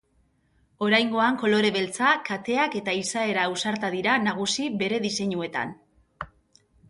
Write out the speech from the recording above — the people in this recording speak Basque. Oraingoan kolore beltza, kateak eta izaera ausarta dira nagusi bere diseinuetan.